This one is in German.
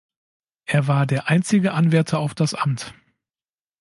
Er war der einzige Anwärter auf das Amt.